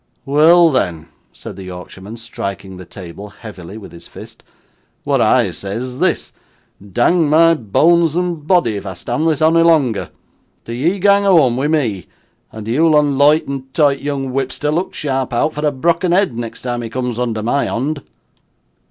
'Weel, then!' said the Yorkshireman, striking the table heavily with his fist, 'what I say's this Dang my boans and boddy, if I stan' this ony longer. Do ye gang whoam wi' me, and do yon loight an' toight young whipster look sharp out for a brokken head, next time he cums under my hond.